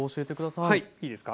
はいいいですか。